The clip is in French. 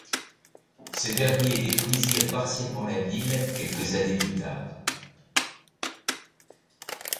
Ces derniers détruisirent partiellement la ville quelques années plus tard.